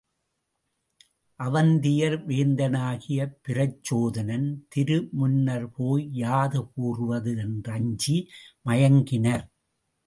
அவந்தியர் வேந்தனாகிய பிரச்சோதனன் திரு முன்னர்ப்போய் யாது கூறுவது என்றஞ்சி மயங்கினர்.